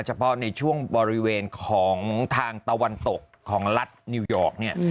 เฉพาะในช่วงบริเวณของทางตะวันตกของรัฐนิวยอร์กเนี่ย